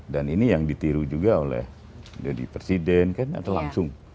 dan ini yang ditiru juga oleh jadi presiden kan atau langsung